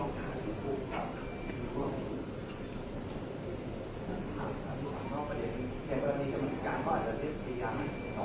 คุณคำตอบตรงนี้แล้วถ้าคุณคุณท่านจะทำอะไรก็น่าจะได้คำตอบตรงนั้น